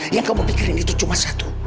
yang kamu pikirin itu cuma satu